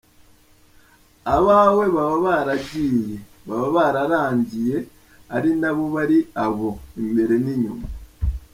Abawe baba baragiye, baba bararangiye, ari nabo bari abo, imbere n’inyuma !